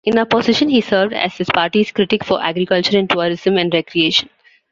In opposition, he served as his party's critic for Agriculture and Tourism and Recreation.